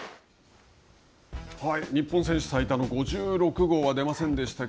日本選手最多の５６号は出ませんでした